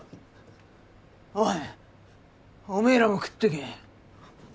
おいおめぇらも食ってけ。